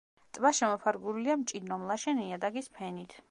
ტბა შემოფარგლულია მჭიდრო მლაშე ნიადაგის ფენით.